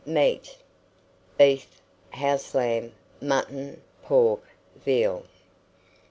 MEAT. Beef, house lamb, mutton, pork, veal.